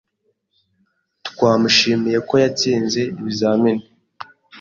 Twamushimiye ko yatsinze ibizamini.